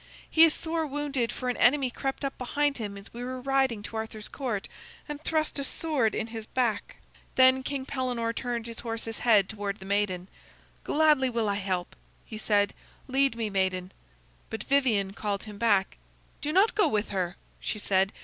He is sore wounded, for an enemy crept up behind him as we were riding to Arthur's Court, and thrust a sword in his back." Then King Pellenore turned his horse's head toward the maiden. "Gladly will I help," he said; "lead me, maiden." But Vivien called him back. "Do not go with her," she said.